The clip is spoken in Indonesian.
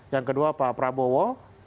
yang kedua pak prabowo dua puluh empat